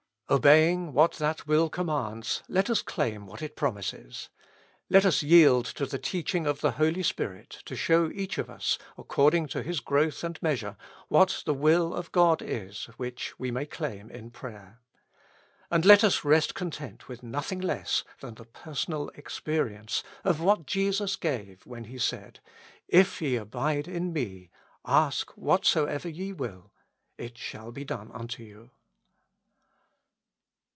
Obeying what that will com mands, let us claim what it promises. Let us yield to the teaching of the Holy Spirit to show each of us, according to his growth and measure, what the will of God is which we may claim in prayer. And let us rest content with nothing less than the personal experience of what Jesus gave when He said. "If ye abide in Me, ask whatsoever ye will, it shall be done unto you."